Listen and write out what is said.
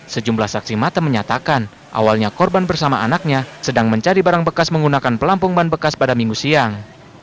sejumlah saksi mata menyatakan awalnya korban bersama anaknya sedang mencari barang bekas menggunakan pelampung ban bekas pada minggu siang